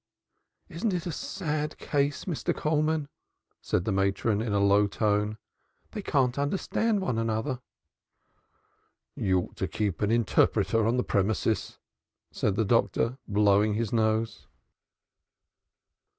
"Isn't it a sad case, Mr. Coleman?" said the matron, in a low tone. "They can't understand each other." "You ought to keep an interpreter on the premises," said the doctor, blowing his nose.